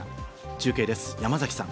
中継です、山崎さん。